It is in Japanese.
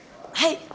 はい！